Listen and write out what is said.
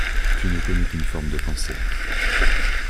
tu ne connais qu'une forme de pensée.